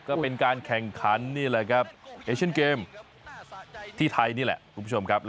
ก็เป็นการแข่งขันนี่แหละครับเอเชนเกมที่ไทยนี่แหละคุณผู้ชมครับ